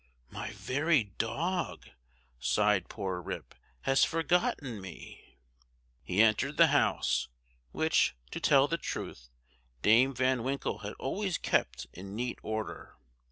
"My very dog," sighed poor Rip, "has forgotten me!" He entered the house, which, to tell the truth, Dame Van Winkle had always kept in neat order.